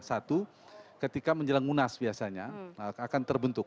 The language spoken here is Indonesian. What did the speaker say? satu ketika menjelang munas biasanya akan terbentuk